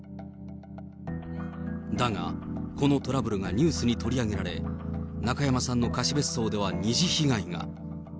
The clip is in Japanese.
だが、このトラブルがニュースに取り上げられ、中山さんの貸別荘では二次被害が。